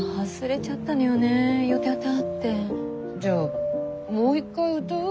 じゃあもう一回歌う？